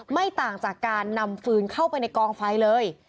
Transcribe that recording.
ไม่ต่างจากการนำฟืนเข้าไปในกองไฟเลย